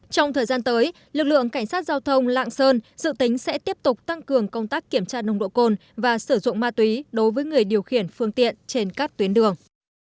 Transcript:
trong thời gian tới lực lượng cảnh sát giao thông lạng sơn dự tính sẽ tiếp tục tăng cường công tác kiểm tra nồng độ cồn và sử dụng ma túy đối với người điều khiển phương tiện trên các tuyến đường